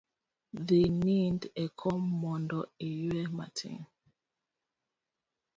Dhi nind e kom mondo iyue matin